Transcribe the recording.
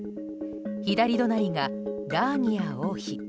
左隣がラーニア王妃。